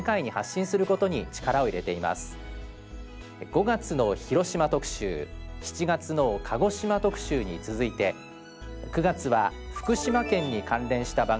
５月の広島特集７月の鹿児島特集に続いて９月は福島県に関連した番組を集中編成。